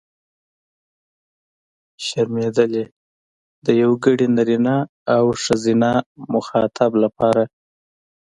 شرمېدلې! د یوګړي نرينه او ښځينه مخاطب لپاره.